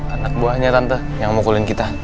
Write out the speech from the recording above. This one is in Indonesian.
anak buahnya tante yang memukulin kita